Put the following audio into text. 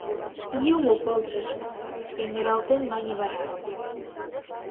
— Юмо полшыжо! — эҥыралтен мане вара.